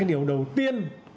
cái điều đầu tiên